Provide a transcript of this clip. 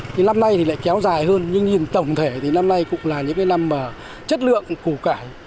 năm nay lại kéo dài hơn nhưng nhìn tổng thể thì năm nay cũng là những năm chất lượng củ cải